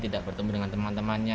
tidak bertemu dengan teman temannya